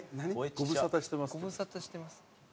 「ご無沙汰してます」。